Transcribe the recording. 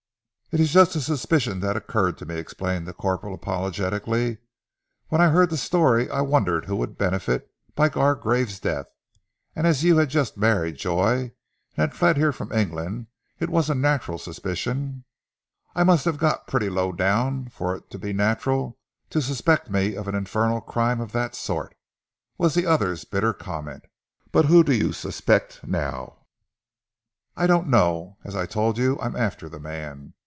"It was just a suspicion that occurred to me," explained the corporal apologetically. "When I heard the story I wondered who would benefit by Gargrave's death, and as you had just married Joy, and had fled here from England, it was a natural suspicion " "I must have got pretty low down for it to be natural to suspect me of an infernal crime of that sort," was the other's bitter comment. "But who do you suspect now?" "I don't know! As I told you, I'm after the man.